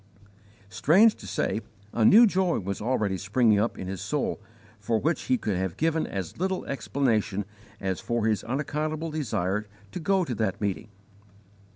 Strange to say, a new joy was already springing up in his soul for which he could have given as little explanation as for his unaccountable desire to go to that meeting.